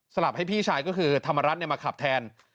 ลับให้พี่ชายก็คือธรรมรัฐมาขับแทน